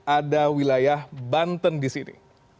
ada wilayah banten di sini